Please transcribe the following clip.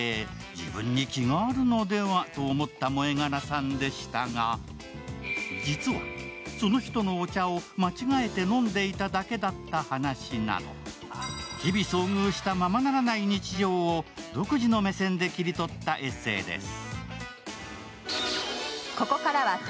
自分に気があるのでは？と思った燃え殻さんでしたが実は、その人のお茶を間違えて飲んでいただけだった話など日々、遭遇したままならない日常を独自の目線で切り取ったエッセーです。